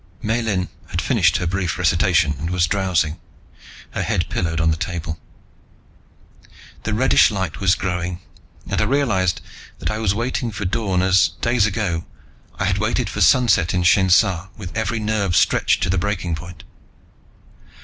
Miellyn had finished her brief recitation and was drowsing, her head pillowed on the table. The reddish light was growing, and I realized that I was waiting for dawn as, days ago, I had waited for sunset in Shainsa, with every nerve stretched to the breaking point.